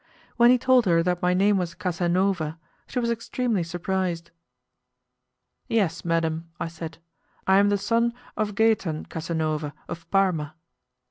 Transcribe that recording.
When he told her that my name was Casanova, she was extremely surprised. "Yes, madam," I said, "I am the son of Gaetan Casanova, of Parma."